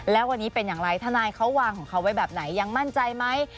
แล้ววันนี้เป็นอย่างไรทนายเขาวางของเขาไว้แบบไหนยังมั่นใจไหม